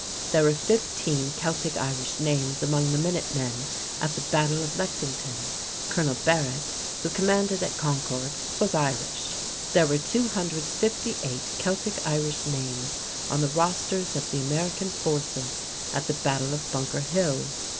There were fifteen Celtic Irish names among the Minute Men at the Battle of Lexington. Colonel Barrett, who commanded at Concord, was Irish. There were 258 Celtic Irish names on the rosters of the American forces at the battle of Bunker Hill.